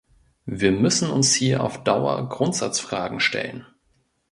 Wir müssen uns hier auf Dauer Grundsatzfragen stellen.